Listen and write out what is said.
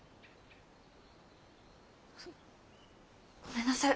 ごめんなさい。